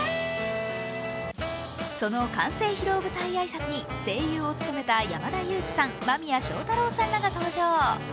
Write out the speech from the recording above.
その完成披露舞台挨拶に声優を務めた山田裕貴さん、間宮祥太朗さんらが登場。